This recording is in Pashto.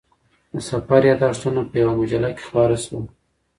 د سفر یادښتونه په یوه مجله کې خپاره شول.